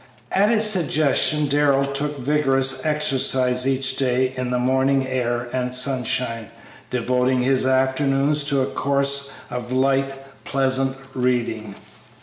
At his suggestion Darrell took vigorous exercise each day in the morning air and sunshine, devoting his afternoons to a course of light, pleasant reading.